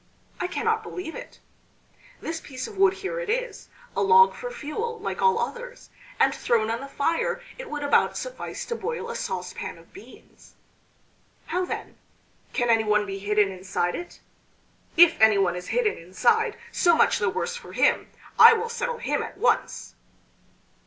I cannot believe it. This piece of wood here it is; a log for fuel like all others, and thrown on the fire it would about suffice to boil a saucepan of beans.... How then? Can anyone be hidden inside it? If anyone is hidden inside, so much the worse for him. I will settle him at once."